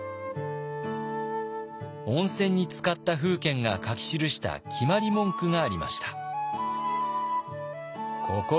温泉につかった楓軒が書き記した決まり文句がありました。